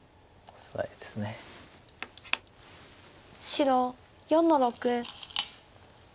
白４の六。